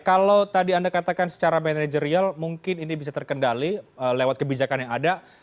kalau tadi anda katakan secara manajerial mungkin ini bisa terkendali lewat kebijakan yang ada